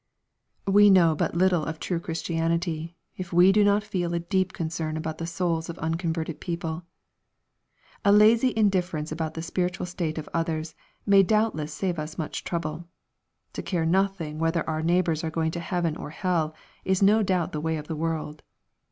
We know but little of true Christianity, if we do not feel a deep concern about the souls of unconverted people. A lazy indifference about the spiritual state of others, may doubtless save us much trouble. To care nothing whether our neighbors are going to heaven or hell, is no doubt the way of the world.